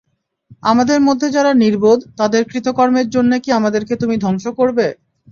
আমাদের মধ্যে যারা নির্বোধ, তাদের কৃতকর্মের জন্যে কি আমাদেরকে তুমি ধ্বংস করবে?